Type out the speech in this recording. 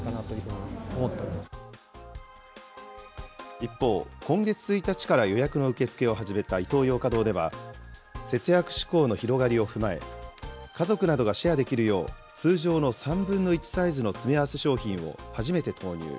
一方、今月１日から予約の受け付けを始めたイトーヨーカ堂では、節約志向の広がりを踏まえ、家族などがシェアできるよう、通常の３分の１サイズの詰め合わせ商品を初めて投入。